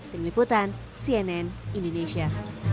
tim liputan cnn indonesia